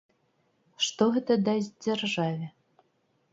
Што гэта дасць дзяржаве?